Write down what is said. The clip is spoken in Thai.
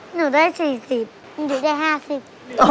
หนูได้สี่สิบหนูได้ห้าสิบ